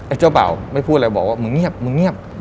เจ้าเบ่าไม่พูดอะไรบอกว่ามึงเงียบมึงเงียบ